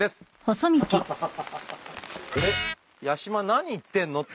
何言ってんの？って